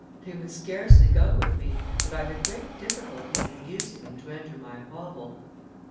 "They would scarcely go with me, and I had great difficulty in inducing them to enter my hovel."